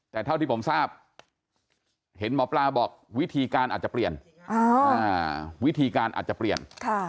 แต่เท่าที่ผมทราบเห็นหมอปลาบอกวิธีการอาจจะเปลี่ยนวิธีการอาจจะเปลี่ยน